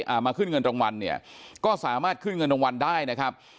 มาขึ้นเงินรางวัลเนี่ยก็สามารถขึ้นเงินรางวัลได้นะครับ